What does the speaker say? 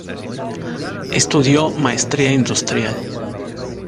Estudió maestría industrial.